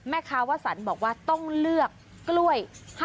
แม่ค้าวะสรรบอกว่าต้องเลือกกล้วย